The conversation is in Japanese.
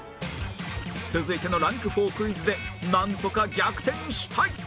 続いてのランク４クイズでなんとか逆転したい！